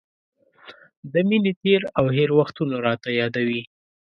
د مینې تېر او هېر وختونه راته را یادوي.